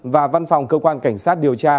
và văn phòng cơ quan cảnh sát điều tra